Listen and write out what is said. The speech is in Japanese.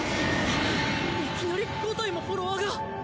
いきなり５体もフォロワーが！？